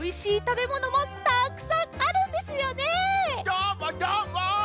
どーもどーも！